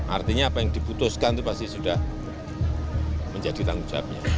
artinya apa yang diputuskan itu pasti sudah menjadi tanggung jawabnya